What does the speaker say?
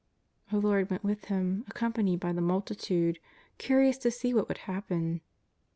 Our Lord went with him, accompanied by the multi tude, curious to see what would happen.